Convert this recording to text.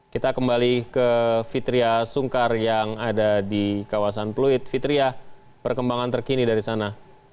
kita kembali ke fitriah sungkar yang ada di kawasan pluit fitriah perkembangan terkini dari sana